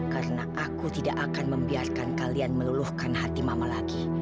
karena aku tidak akan membiarkan kalian meluluhkan hati mama lagi